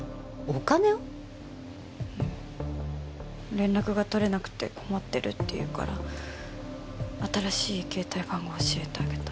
連絡が取れなくて困ってるって言うから新しい携帯番号教えてあげた。